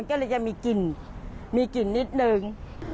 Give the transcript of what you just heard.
ก็เลยจะมีกลิ่นมีกลิ่นนิดนึง